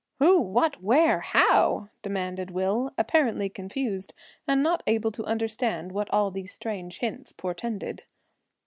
"Who—what—where—how?" demanded Will, apparently confused, and not able to understand what all these strange hints portended.